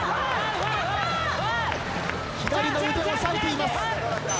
左の腕を押さえています。